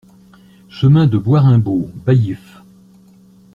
Chemin de Bois Raimbault, Baillif